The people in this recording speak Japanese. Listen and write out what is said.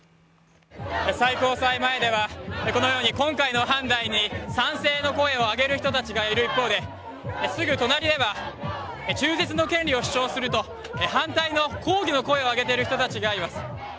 最高裁前ではこのように今回の判断に賛成の声を上げる人たちがいる一方で、すぐ隣では、中絶の権利を主張すると反対の抗議の声を上げている人たちがいます。